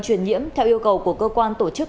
truyền nhiễm theo yêu cầu của cơ quan tổ chức